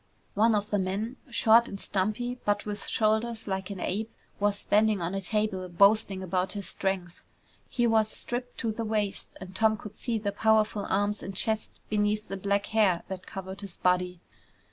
One of the men, short and stumpy, but with shoulders like an ape, was standing on a table boasting about his strength. He was stripped to the waist and Tom could see the powerful arms and chest beneath the black hair that covered his body.